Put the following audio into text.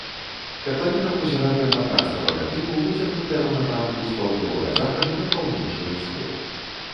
Катлавіна возера тэрмакарставага тыпу, выцягнутая ў напрамку з паўднёвага захаду на паўночны ўсход.